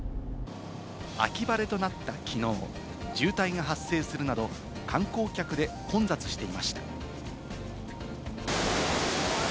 秋晴れとなったきのう、渋滞が発生するなど観光客で混雑していました。